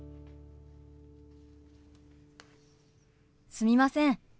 すみません。